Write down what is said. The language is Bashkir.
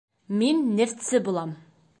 Мин нефтсе булам.